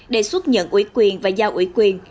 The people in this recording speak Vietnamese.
đề xuất nhận ủy quyền và giao ủy quyền